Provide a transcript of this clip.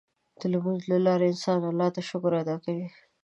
د لمونځ له لارې انسان الله ته شکر ادا کوي.